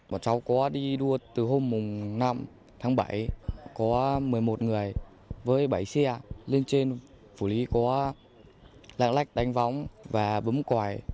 bọn cháu có đi đua từ hôm năm tháng bảy có một mươi một người với bảy xe lên trên phủ lý có lạng lách đánh võng và bấm còi